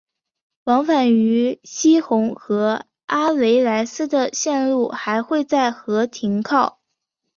往返于希洪和阿维莱斯的线路还会在和停靠。